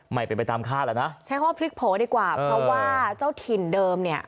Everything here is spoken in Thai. ไม่เป็นไปตามคาดแล้วนะใช้คำว่าพลิกโผล่ดีกว่าเพราะว่าเจ้าถิ่นเดิมเนี่ย